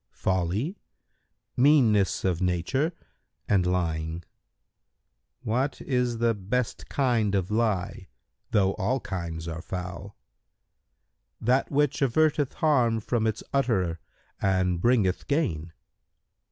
"—"Folly, meanness of nature, and lying." Q "What is the best kind of lie,[FN#138] though all kinds are foul?"—"That which averteth harm from its utterer and bringeth gain."